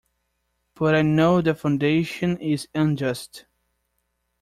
But I know the foundation is unjust.